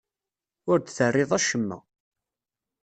Ur d-terriḍ acemma.